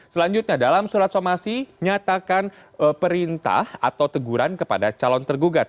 selanjutnya dalam surat somasi nyatakan perintah atau teguran kepada calon tergugat